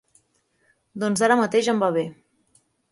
Doncs ara mateix em va bé.